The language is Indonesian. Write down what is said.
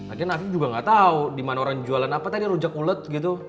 akhirnya afif juga gak tau dimana orang jualan apa tadi rujak ulek gitu